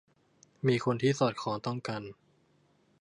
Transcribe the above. มีคนที่สอดคล้องต้องกัน